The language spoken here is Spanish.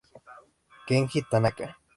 Kenji Tanaka